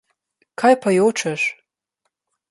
Kaj pa jočeš?